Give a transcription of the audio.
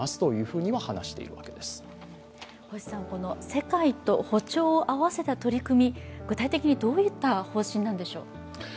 世界と歩調を合わせた取り組み、具体的にどういった方針なんでしょう？